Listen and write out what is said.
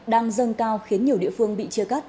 đang dâng cao khiến nhiều địa phương bị chia cắt